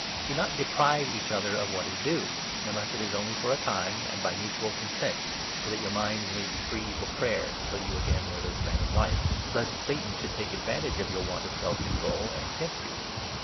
Do not deprive each other of what is due — unless it is 5 only for a time and by mutual consent, so that your minds may be free for prayer till you again live as man and wife — lest Satan should take advantage of your want of self control and tempt you.